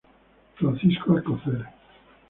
Francisco Alcocer.